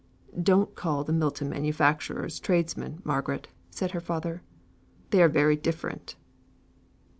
"Don't call the Milton manufacturers tradesmen, Margaret," said her father. "They are very different."